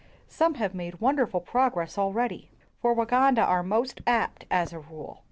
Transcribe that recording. Some have made wonderful progress al ready, for Waganda are most apt, as a rule.